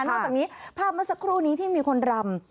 นอกจากนี้ภาพเมื่อสักครู่นี้ที่มีคนรำ